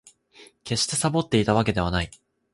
決してサボっていたわけではない